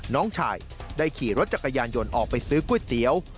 น้องชายได้ขี่รถจักรยานยนต์ออกไปซื้อก๋วยเตี๋ยว